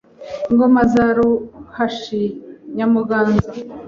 Ingoma za Ruhashi Nyamuganza